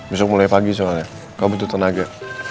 besok mulai pagi soalnya kamu butuh tenaga